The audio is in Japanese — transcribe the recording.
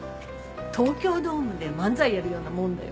東京ドームで漫才やるようなもんだよ。